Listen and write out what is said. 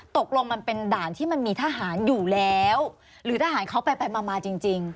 ตกลงมันเป็นด่านที่มันมีทหารอยู่แล้วหรือทหารเขาไปไปมามาจริง